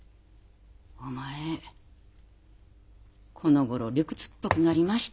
お前このごろ理屈っぽくなりましたね。